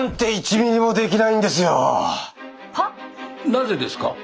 なぜですか？